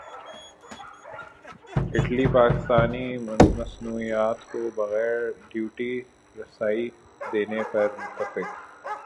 Italy Pakistani مصنوعات کو بغیر ڈیوٹی رسائی دینے پر متفق